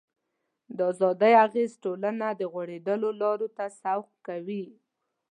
د ازادۍ اغېز ټولنه د غوړېدلو لارو ته سوق کوي.